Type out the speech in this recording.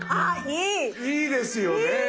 いいですよね。